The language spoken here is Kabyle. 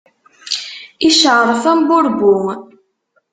Icceɛṛef, am burebbu.